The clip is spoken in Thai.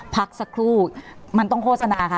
พักสักครู่มันต้องโฆษณาค่ะ